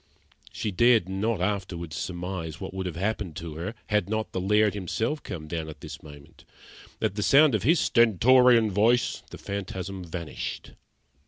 She dared not afterwards surmise what would have happened to her, had not the Laird himself come down at this moment. At the sound of his stentorian voice the phantasm vanished.